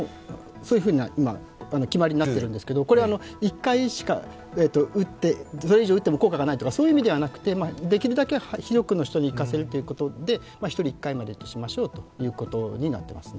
そういう決まりになっているんですけれども、これはそれ以上打っても効果がないということではなくて、できるだけ広く、人に行き渡らせるということで１人１回までとしましょうということになっています。